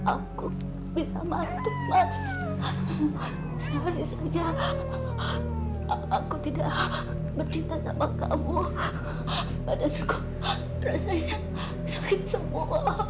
aku bisa mati mas aku tidak mencinta sama kamu pada suku rasanya sakit semua